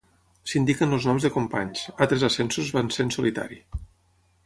S'indiquen els noms de companys; altres ascensos van ser en solitari.